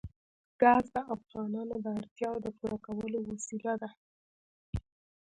ګاز د افغانانو د اړتیاوو د پوره کولو وسیله ده.